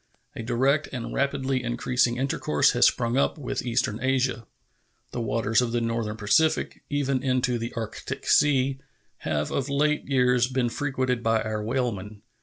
A direct and rapidly increasing intercourse has sprung up with eastern Asia. The waters of the Northern Pacific, even into the Arctic Sea, have of late years been frequented by our whalemen.